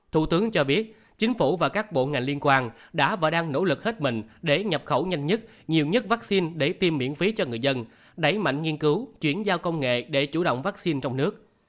thủ tướng cho biết chính phủ và các bộ ngành liên quan đã và đang nỗ lực hết mình để nhập khẩu nhanh nhất nhiều nhất vaccine để tiêm miễn phí cho người dân đẩy mạnh nghiên cứu chuyển giao công nghệ để chủ động vaccine trong nước